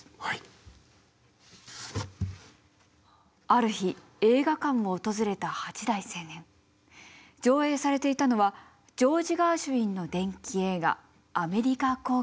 ある日映画館を訪れた八大青年上映されていたのはジョージ・ガーシュウィンの伝記映画「アメリカ交響楽」でした。